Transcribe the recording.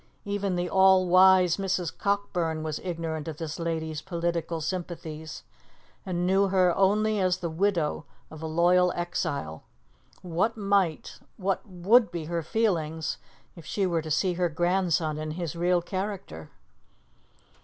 Even the all wise Mrs. Cockburn was ignorant of this lady's political sympathies, and knew her only as the widow of a loyal exile. What might what would be her feelings if she were to see her grandson in his real character?